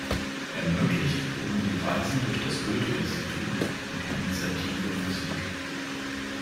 Ermöglicht wurden die Reisen durch das Goethe-Institut und die Initiative Musik.